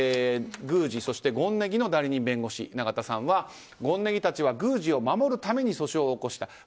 宮司、権禰宜の代理人弁護士永田さんは権禰宜たちは宮司を守るために訴訟を起こした。